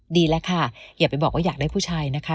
ดีแล้วค่ะอย่าไปบอกว่าอยากได้ผู้ชายนะคะ